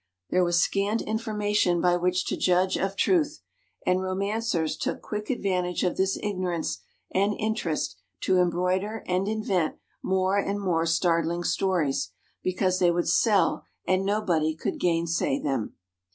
There was scant information by which to judge of truth; and romancers took quick advantage of this ignorance and interest to embroider and invent more and more startling stories, because they would sell and nobody could gainsay them.